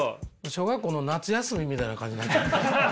小学校の夏休みみたいな感じになって。